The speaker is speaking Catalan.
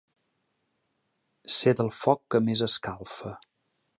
Ser del foc que més escalfa.